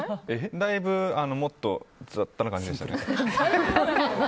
だいぶもっと雑多な感じでした。